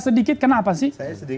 sedikit kenapa sih